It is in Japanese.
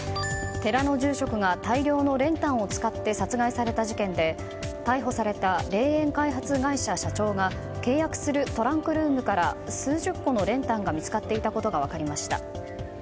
寺の住職が大量の練炭を使って殺害された事件で逮捕された霊園開発会社社長が契約するトランクルームから数十個の練炭が見つかっていたことが分かりました。